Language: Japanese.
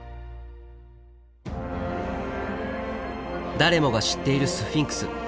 誰もが知っているスフィンクス。